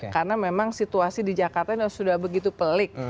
karena memang situasi di jakarta sudah begitu pelik